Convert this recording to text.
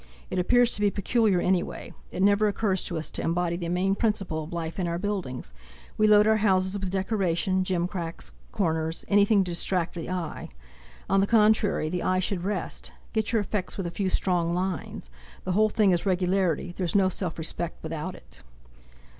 It appears to be peculiar any way; it never occurs to us to embody the main principle of life in our buildings; we load our houses with decoration, gimcracks, corners, anything to distract the eye. On the contrary the eye should rest; get your effects with a few strong lines. The whole thing is regularity—there's no self respect without it."